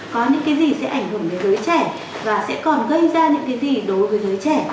có những cái gì sẽ ảnh hưởng đến giới trẻ và sẽ còn gây ra những cái gì đối với giới trẻ